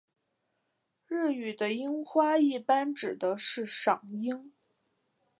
日语的赏花一般指的是赏樱。